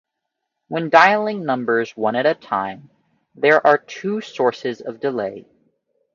When dialing numbers one at a time, there are two sources of delay.